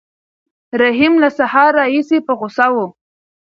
رحیم له سهار راهیسې په غوسه و.